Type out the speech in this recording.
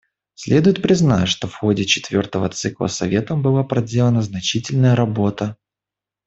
Следует признать, что в ходе четвертого цикла Советом была проделана значительная работа.